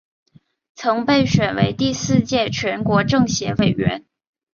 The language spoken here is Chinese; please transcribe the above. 曾被选为第四届全国政协委员。